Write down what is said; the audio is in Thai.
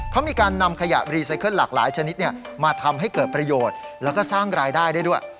เขามีการนำขยะรีไซเคิลหลากหลายชนิดมาทำให้เกิดประโยชน์แล้วก็สร้างรายได้ได้ด้วย